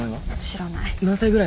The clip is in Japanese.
知らない。